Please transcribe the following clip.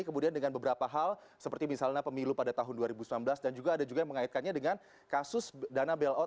kemudian dengan beberapa hal seperti misalnya pemilu pada tahun dua ribu sembilan belas dan juga ada juga yang mengaitkannya dengan kasus dana bailout